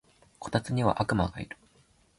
こたつには悪魔がいる